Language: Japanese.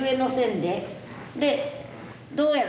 でどうやろ？